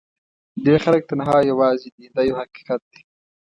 ډېر خلک تنها او یوازې دي دا یو حقیقت دی.